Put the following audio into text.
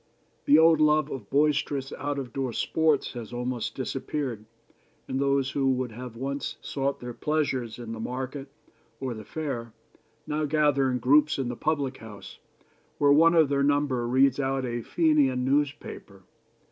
The old love of boisterous out of door sports has almost disappeared, and those who would have once sought their pleasures in the market or the fair now gather in groups in the public house, where one of their number reads out a Fenian newspaper.